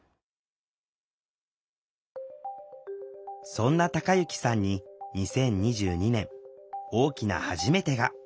そんなたかゆきさんに２０２２年大きな「はじめて」が。